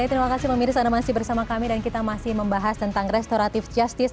terima kasih pemirsa anda masih bersama kami dan kita masih membahas tentang restoratif justice